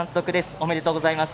おめでとうございます。